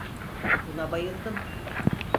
Buna bayıldım.